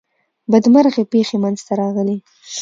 بدمرغي پیښی منځته راغلې.